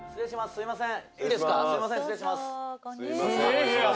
すいません。